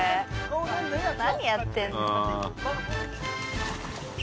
何やってるの？